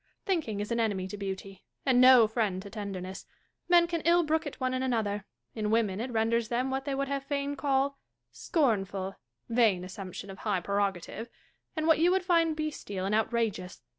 Thinking is an enemy to beauty, and no friend to tenderness. Men can ill brook it one in another ; in women it renders them what they would fain call " scornful " (vain assumption of high prerogative !) and what you would find bestial and outrageous.